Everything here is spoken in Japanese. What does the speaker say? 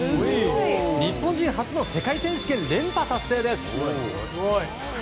日本人初の世界選手権連覇達成です。